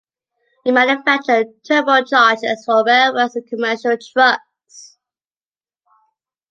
It manufactured turbochargers for railroads and commercial trucks.